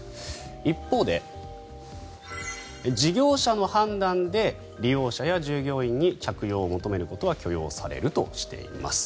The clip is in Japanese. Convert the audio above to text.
一方で、事業者の判断で利用者や従業員に着用を求めることは許容されるとしています。